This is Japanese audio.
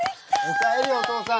お帰りお父さん！